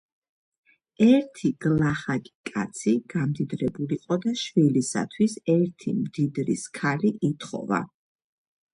ერთი გლახაკი კაცი გამდიდრებულიყო და შვილისათვის ერთი მდიდრის ქალი ითხოვა.